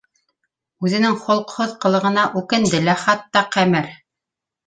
Үҙенең холоҡһоҙ ҡылығына үкенде лә хатта Ҡәмәр